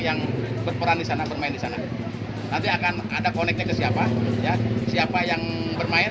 yang berperan di sana bermain di sana nanti akan ada connectnya ke siapa ya siapa yang bermain